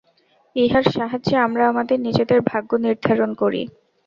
ইহার সাহায্যে আমরা আমাদের নিজেদের ভাগ্য নির্ধারণ করি।